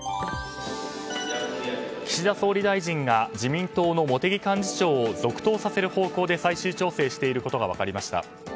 岸田総理大臣が自民党の茂木幹事長を続投させる方向で最終調整していることが分かりました。